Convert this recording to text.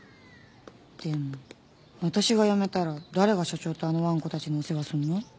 「でも私が辞めたら誰が社長とあのわんこたちのお世話すんの？」